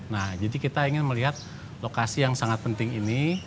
nah jadi kita ingin melihat lokasi yang sangat penting ini